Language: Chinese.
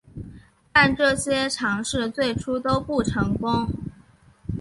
但这些尝试最初都不成功。